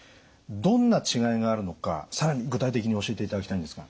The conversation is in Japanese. どんな違いがあるのか更に具体的に教えていただきたいんですが。